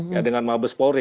ya dengan mabes polri